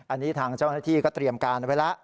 อันนี้ทางเจ้าหน้าที่ก็เตรียมการไว้แล้ว